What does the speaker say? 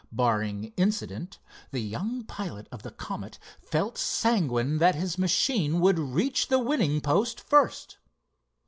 Barring accident, the young pilot of the Comet felt sanguine that his machine would reach the winning post first.